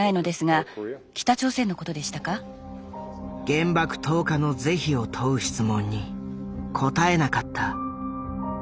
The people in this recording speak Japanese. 原爆投下の是非を問う質問に答えなかった。